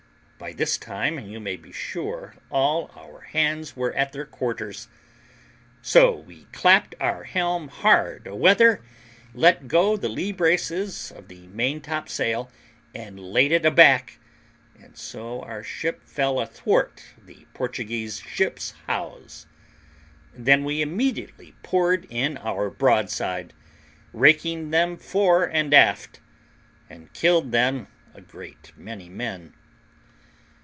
By this time you may be sure all our hands were at their quarters, so we clapped our helm hard a weather, let go the lee braces of the maintop sail, and laid it a back, and so our ship fell athwart the Portuguese ship's hawse; then we immediately poured in our broadside, raking them fore and aft, and killed them a great many men.